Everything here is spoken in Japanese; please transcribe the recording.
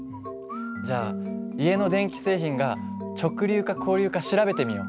じゃあ家の電気製品が直流か交流か調べてみよう。